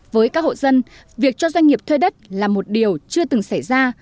với các hộ dân việc cho doanh nghiệp thuê đất là một điều chưa từng xảy ra